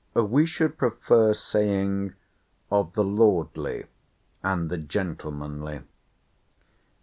We should prefer saying—of the lordly, and the gentlemanly.